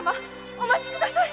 お待ちください！〕